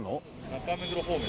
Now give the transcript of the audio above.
中目黒方面。